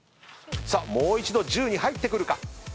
さあもう一度１０に入ってくるか？